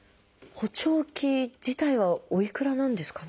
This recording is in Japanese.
補聴器自体はおいくらなんですかね。